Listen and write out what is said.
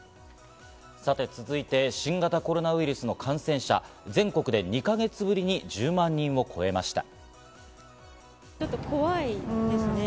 続いて新型コロナウイルスの感染者、全国で２か月ぶりに１０万人を超えました。